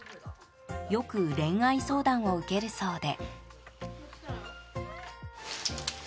よく恋愛相談を受けるそうで。